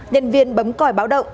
nhân viên bấm còi báo động